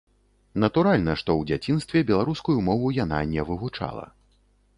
Натуральна, што ў дзяцінстве беларускую мову яна не вывучала.